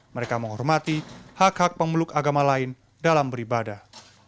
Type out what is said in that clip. mereka menghormati hak hak pemeluk agama lain dalam beribadah